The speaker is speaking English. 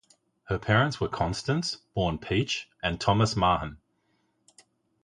Her parents were Constance (born Peach) and Thomas Mahon.